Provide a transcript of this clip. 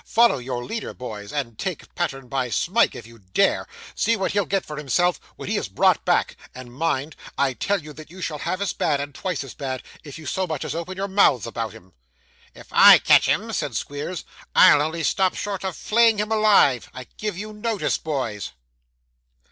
'Follow your leader, boys, and take pattern by Smike if you dare. See what he'll get for himself, when he is brought back; and, mind! I tell you that you shall have as bad, and twice as bad, if you so much as open your mouths about him.' 'If I catch him,' said Squeers, 'I'll only stop short of flaying him alive. I give you notice, boys.